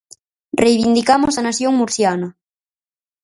Reivindicamos a nación murciana.